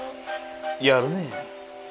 やるねえ。